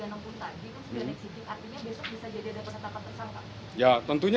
artinya besok bisa jadi ada penetapan tersangka